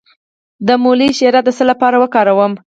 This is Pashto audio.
د مولی شیره د څه لپاره وکاروم؟